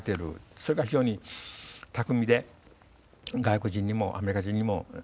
それが非常に巧みで外国人にもアメリカ人にも理解される。